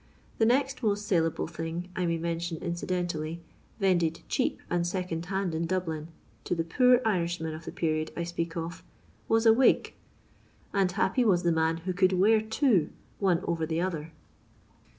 The next most saleable thing — I may mention, incidentally — Tended cheap and second hand in Dublin, to the poor Irishmen of the period I speak of, was a wig t And happy was the man who could wear two, one over the other.